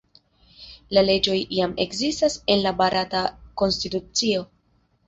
La leĝoj jam ekzistas en la barata konstitucio.